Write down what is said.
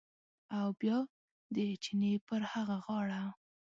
او بیا د چینې پر هغه غاړه